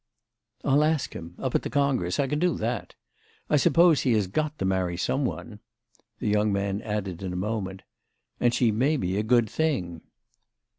"I'll ask him—up at the congress; I can do that. I suppose he has got to marry some one." The young man added in a moment: "And she may be a good thing."